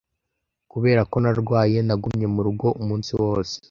Kubera ko narwaye, nagumye mu rugo umunsi wose.